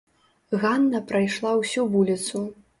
Ганна прайшла ўсю вуліцу.